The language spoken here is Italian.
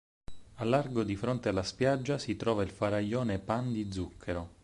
Al largo, di fronte alla spiaggia, si trova il faraglione Pan di Zucchero.